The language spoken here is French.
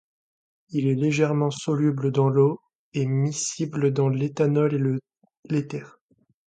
Il est légèrement soluble dans l'eau et miscible dans l'éthanol et l'éther.